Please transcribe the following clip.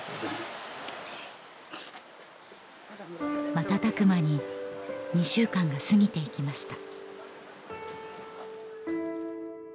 瞬く間に２週間が過ぎていきました